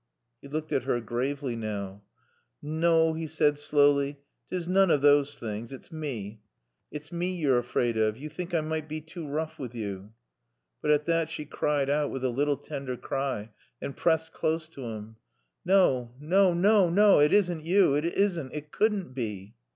He looked at her gravely now. "Naw," he said slowly, "'tis noon o' thawse things. It's mae. It's mae yo're afraid of. Yo think I med bae too roough with yo." But at that she cried out with a little tender cry and pressed close to him. "No no no it isn't you. It isn't. It couldn't be."